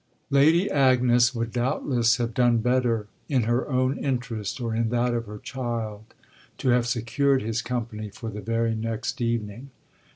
XL Lady Agnes would doubtless have done better, in her own interest or in that of her child, to have secured his company for the very next evening.